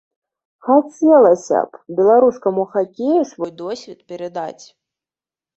Хацелася б беларускаму хакею свой досвед перадаць.